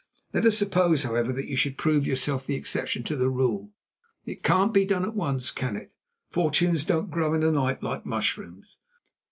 Let us suppose, however, that you should prove yourself the exception to the rule, it can't be done at once, can it? Fortunes don't grow in a night, like mushrooms."